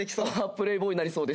プレーボーイになりそうです。